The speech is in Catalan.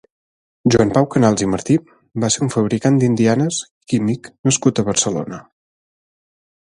Joan Pau Canals i Martí va ser un fabricant d’indianes i químic nascut a Barcelona.